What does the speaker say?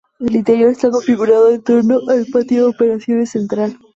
El interior está configurado en torno al patio de operaciones central.